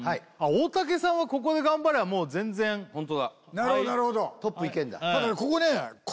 大竹さんはここで頑張りゃもう全然ホントだなるほどなるほどトップいけんだ